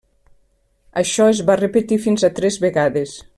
Això es va repetir fins a tres vegades.